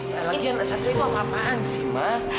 lagi lagi anak satria itu apa apaan sih ma